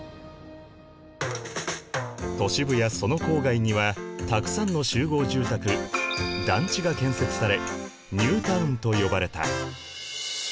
都市部やその郊外にはたくさんの集合住宅団地が建設されニュータウンと呼ばれた。